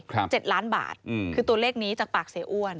เจ็ดล้านบาทอืมคือตัวเลขนี้จากปากเสียอ้วน